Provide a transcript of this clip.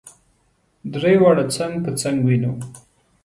درې واړه څنګ په څنګ وینو.